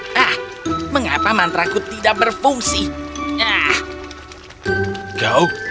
nanti aku menceritakan terbahak berahlianmu